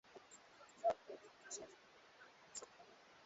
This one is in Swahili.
Oloiborraine ni Mabwawa ya maji ambayo huwa wazi